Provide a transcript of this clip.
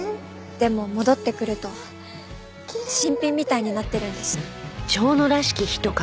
でも戻ってくると新品みたいになってるんです。